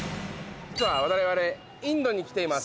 実は我々インドに来ています。